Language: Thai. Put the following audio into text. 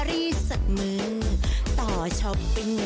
โปรดติดตามต่อไป